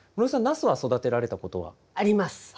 ナスは育てられたことは？あります。